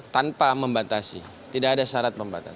tanpa membatasi tidak ada syarat pembatasan